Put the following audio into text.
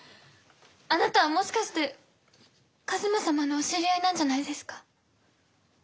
あなたはもしかして一馬様のお知り合いなんじゃないですか？